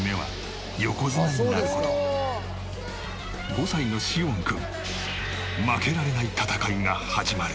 ５歳のしおん君負けられない戦いが始まる。